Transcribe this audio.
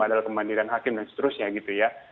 ada kemandiran hakim dan seterusnya